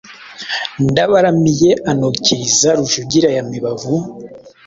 Ndabaramiye anukiriza Rujugira ya mibavu;